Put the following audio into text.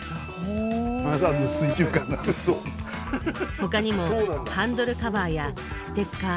他にもハンドルカバーやステッカー。